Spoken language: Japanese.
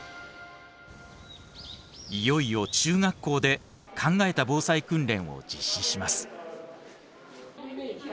いよいよ中学校で考えた防災訓練を実施します。